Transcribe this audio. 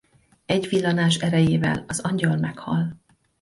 Egy villanás erejével az angyal meghal.